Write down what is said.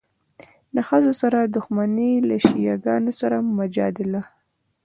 له ښځو سره دښمني، له شیعه ګانو سره مجادله.